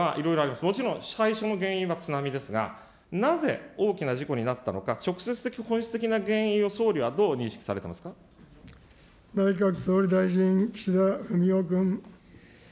もちろん最初の原因は津波ですが、なぜ大きな事故になったのか、直接的、本質的な原因を総理はどう内閣総理大臣、岸田文雄君。